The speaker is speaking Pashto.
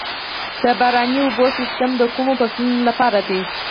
د باراني اوبو سیستم د کومو فصلونو لپاره دی؟